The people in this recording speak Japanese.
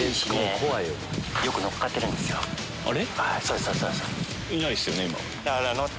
あれ？